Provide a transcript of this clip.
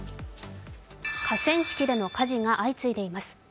河川敷での火事が相次いでいます。